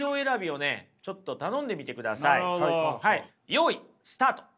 よいスタート！